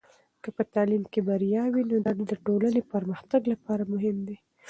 که په تعلیم کې بریا وي، نو دا د ټولنې پرمختګ لپاره مهم دی.